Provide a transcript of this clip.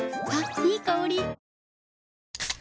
いい香り。